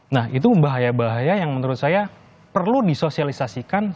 nah itu bahaya bahaya yang menurut saya perlu disosialisasikan